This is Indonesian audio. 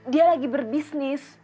dia lagi berbisnis